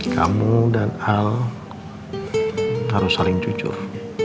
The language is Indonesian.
kamu dan hal harus saling jujur